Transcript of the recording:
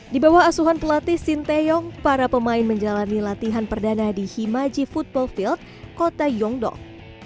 di bawah asuhan pelatih sinteyong para pemain menjalani latihan perdana di himaji football field kota yongdong